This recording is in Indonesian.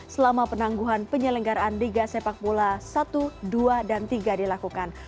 selama penangguhan penyelenggaraan liga sepak bola satu dua dan tiga dilakukan